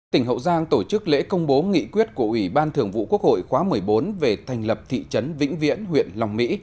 tỉnh hậu giang tổ chức lễ công bố nghị quyết của ủy ban thường vụ quốc hội khóa một mươi bốn về thành lập thị trấn vĩnh viễn huyện long mỹ